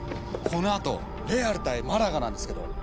この後レアル対マラガなんですけど。